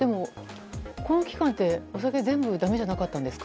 この期間ってお酒全部だめじゃなかったんですか？